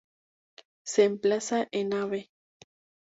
Se emplaza en Av.